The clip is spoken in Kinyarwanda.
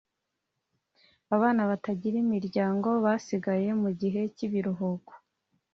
Abana batagira imiryango bahasigaye mu gihe cy’ibiruhuko